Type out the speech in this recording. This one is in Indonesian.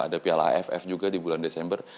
ada piala aff juga di bulan desember